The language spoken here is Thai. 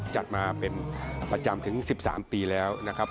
จัดมาเป็นประจำถึง๑๓ปีแล้วนะครับ